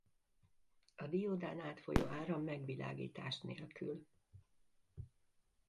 A diódán átfolyó áram megvilágítás nélkül.